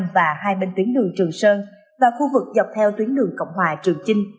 và hai bên tuyến đường trường sơn và khu vực dọc theo tuyến đường cộng hòa trường chinh